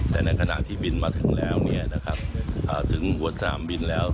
แต่ในขณะที่บินมาถึงแล้วเนี่ยนะครับถึงหัวสนามบินแล้ว